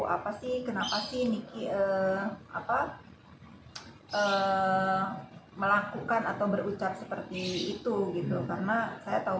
apa sih kenapa sih niki apa melakukan atau berucap seperti itu gitu karena saya tahu